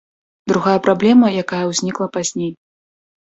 Другая праблема, якая ўзнікла пазней.